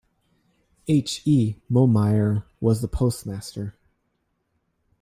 H. E. Momyre was the postmaster.